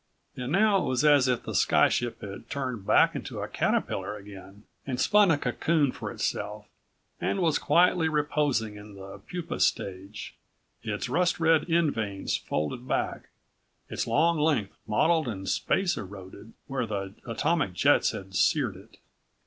And now it was as if the sky ship had turned back into a caterpillar again, and spun a cocoon for itself, and was quietly reposing in the pupa stage, its rust red end vanes folded back, its long length mottled and space eroded where the atomic jets had seared it.